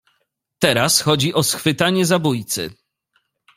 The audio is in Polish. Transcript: "Teraz chodzi o schwytanie zabójcy."